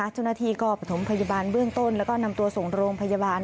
เจ้าหน้าที่ก็ประถมพยาบาลเบื้องต้นแล้วก็นำตัวส่งโรงพยาบาล